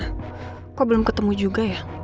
gak usah kita balik ke sekolah untuk jagain reina